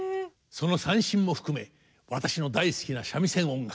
その三線も含め私の大好きな三味線音楽